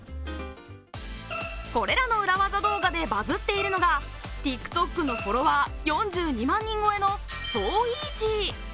これらの裏技動画でバズっているのがＴｉｋＴｏｋのフォロワー４２万超えのｓｏｅａｓｙ。